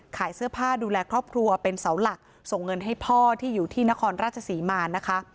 ขายเสื้อผ้าดูแลครอบครัวเป็นเสาหลักส่งเงินให้พ่อที่อยู่ที่นครราชศรีมานะคะ